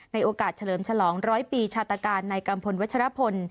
ในโอกาสเฉลิมฉลอง๑๐๐ปีชาตาการนายกัมพลวัชฌาพล